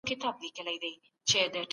که خلکو مرسته کړي وای، قحطي به کمه سوي وای.